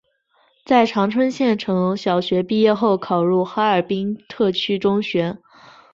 在长春县城小学毕业后考入哈尔滨特区中学。